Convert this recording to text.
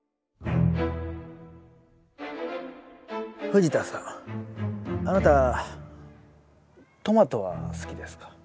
藤田さんあなたトマトは好きですか？